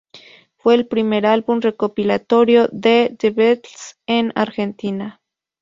Fue el primer álbum recopilatorio de The Beatles en Argentina.